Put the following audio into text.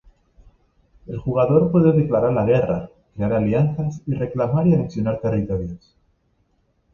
El jugador puede declarar la guerra, crear alianzas, y reclamar y anexionar territorios.